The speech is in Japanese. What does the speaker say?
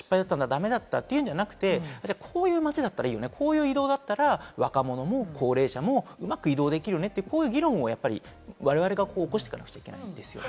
ダメだったというんじゃなくて、こういう街だったら、こういう移動だったら、若者も高齢者もうまく移動できるよねという議論をわれわれが起こしていかなくちゃいけないですね。